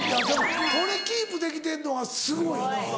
これキープできてんのがすごいな。